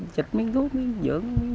xịt miếng thuốc miếng dưỡng